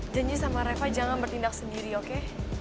janji sama reva jangan bertindak sendiri oke